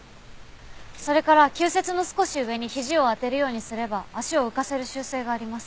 それから球節の少し上にひじを当てるようにすれば脚を浮かせる習性があります。